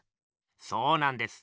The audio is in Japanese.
そうなんです。